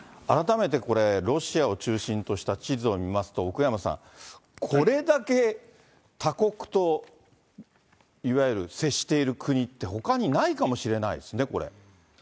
改めてこれ、ロシアを中心とした地図を見ますと、奥山さん、これだけ他国といわゆる接している国ってほかにないかもしれないですね、これ。